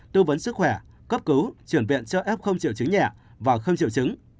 tư vấn sức khỏe cấp cứu chuyển viện cho f triệu chứng nhẹ và không triệu chứng